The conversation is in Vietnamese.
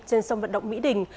trên sông vận động mỹ đình